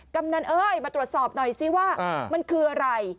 กำนันเอ้ยมาตรวจสอบหน่อยสิว่ามันคืออะไร